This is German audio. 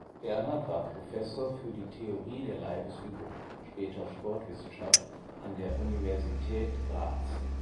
Bernhard war Professor für die Theorie der Leibesübungen (später Sportwissenschaft) an der Universität Graz.